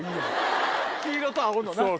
黄色と青のな。